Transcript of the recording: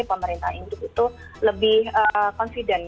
pemerintah induk itu lebih confident